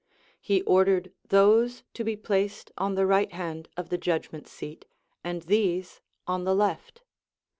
He ordered those to be placed on the right hand of the judg ment seat, and these on the left.